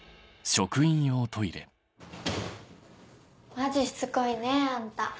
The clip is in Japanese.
マジしつこいねあんた。